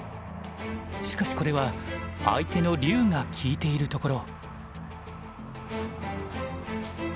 しかしこれは相手の竜が利いているところ。